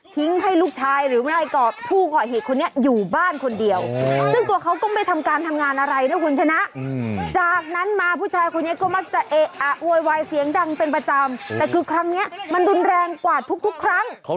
ทิ้งให้ลูกชายหรือว่าลูกหน้ากร